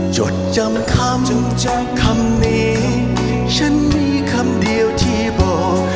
จดจำคำคำนี้ฉันมีคำเดียวที่บอก